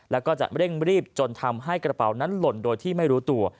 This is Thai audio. แล้วก็จะเร่งรีบจนทำให้กระเป๋านั้นหล่นโดยที่ไม่รู้ตัว